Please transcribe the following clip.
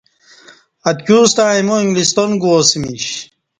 ا تکیوستݩع ایمو انگلستان گوا سمیش۔